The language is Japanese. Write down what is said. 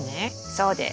そうです。